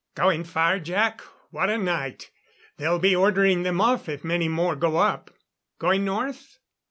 "Going far, Jac? What a night! They'll be ordering them off if many more go up.... Going north?"